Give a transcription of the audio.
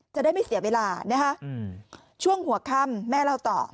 จะได้ไม่เสียเวลานะคะช่วงหัวค่ำแม่เล่าต่อ